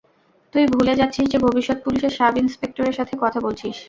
তুই ভুলে যাচ্ছিস যে ভবিষ্যত পুলিশের সাব-ইন্সপেক্টর সাথে কথা বলছিস।